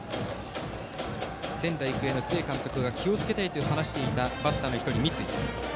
仙台育英の須江監督が気をつけたいと話していたバッターの１人、三井。